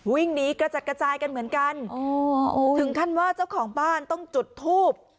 วิ่งหนีกระจัดกระจายกันเหมือนกันถึงขั้นว่าเจ้าของบ้านต้องจุดทูบ